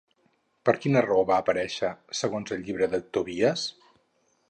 Per quina raó va aparèixer segons el Llibre de Tobies?